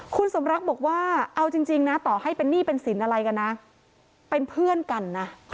คุณสมรักบอกว่าเอาจริงนะต่อให้เป็นหนี้เป็นสินอะไรกันนะเป็นเพื่อนกันนะ